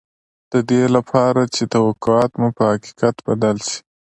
د دې لپاره چې توقعات مو په حقیقت بدل شي